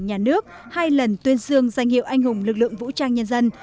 nhà nước hai lần tuyên dương danh hiệu anh hùng lực lượng vũ trang nhân dân